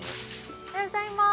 おはようございます。